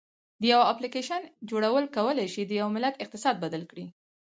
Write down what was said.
د یو اپلیکیشن جوړول کولی شي د یو ملت اقتصاد بدل کړي.